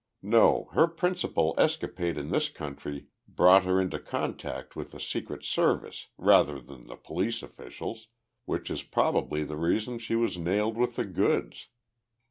No, her principal escapade in this country brought her into contact with the Secret Service, rather than the police officials which is probably the reason she was nailed with the goods.